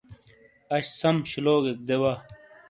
اش سم شولوگیک دے وا۔